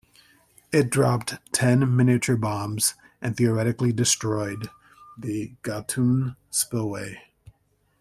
It dropped ten miniature bombs and theoretically "destroyed" the Gatun spillway.